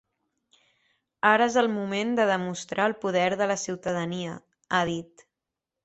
Ara és el moment de demostrar el poder de la ciutadania, ha dit.